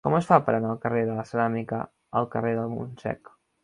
Com es fa per anar del carrer de la Ceràmica al carrer del Montsec?